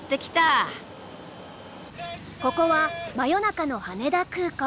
ここは真夜中の羽田空港。